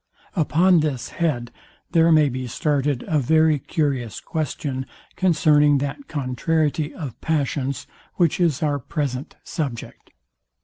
Upon this head there may be started a very curious question concerning that contrariety of passions, which is our present subject.